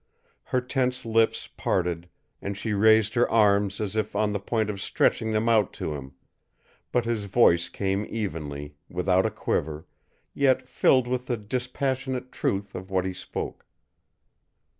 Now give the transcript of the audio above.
Her tense lips parted, and she raised her arms as if on the point of stretching them out to him; but his voice came evenly, without a quiver, yet filled with the dispassionate truth of what he spoke.